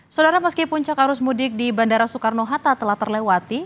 saudara meski puncak arus mudik di bandara soekarno hatta telah terlewati